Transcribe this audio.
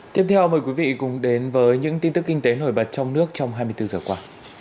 tiếp theo mời quý vị cùng đến với những tin tức kinh tế nổi bật trong nước trong hai mươi bốn giờ qua